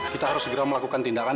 kita harus segera melakukan tindakan